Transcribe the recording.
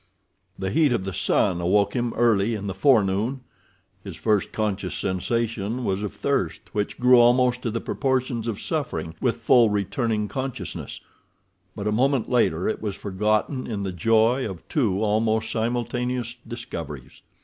The heat of the sun awoke him early in the forenoon. His first conscious sensation was of thirst, which grew almost to the proportions of suffering with full returning consciousness; but a moment later it was forgotten in the joy of two almost simultaneous discoveries.